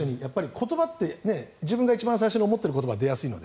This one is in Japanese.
言葉って、自分が一番最初に思っている言葉が出やすいので。